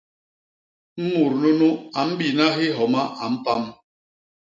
Mut nunu a mbina hi homa a mpam.